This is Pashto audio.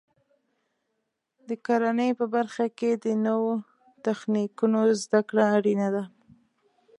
د کرنې په برخه کې د نوو تخنیکونو زده کړه اړینه ده.